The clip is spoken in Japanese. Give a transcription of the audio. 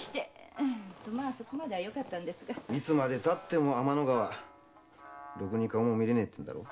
いつまでたっても天の川ろくに顔も見られないんだろ？